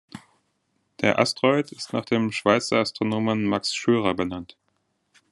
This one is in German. Der Asteroid ist nach dem Schweizer Astronomen Max Schürer benannt.